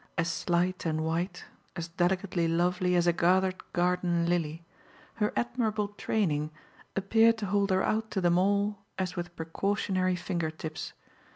As slight and white, as delicately lovely, as a gathered garden lily, her admirable training appeared to hold her out to them all as with precautionary finger tips.